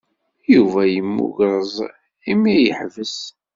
Yuba yemmugreẓ imi ay yeḥbes.